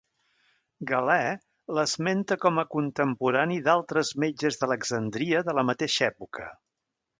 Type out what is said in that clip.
Galè l'esmenta com a contemporani d'altres metges d'Alexandria de la mateixa època.